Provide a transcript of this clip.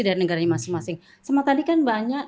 dari negaranya masing masing sama tadi kan banyak